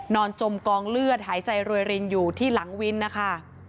จมกองเลือดหายใจรวยรินอยู่ที่หลังวินนะคะ